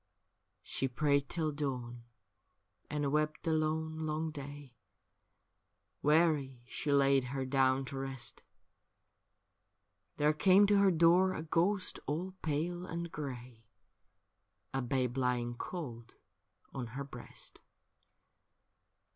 She prayed till dawn, and wept the lone, long day, Weary she laid her down to rest ; There came to her door a ghost all pale and grey, A babe lying cold on her breast.